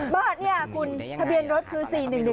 บ้านเนี่ยคุณทะเบียนรถคือ๔๑๑๒